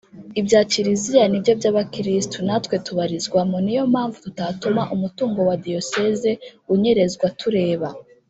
Ibya kiliziya nibyo by’abakirisitu natwe tubarizwamo niyo mpamvu tutatuma umutungo wa Diyoseze unyerezwa tureba